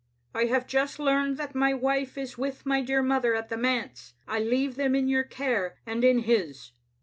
I have just learned that my wife is with my dear mother at the manse. I leave them in your care and in His."